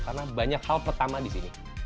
karena banyak hal pertama di sini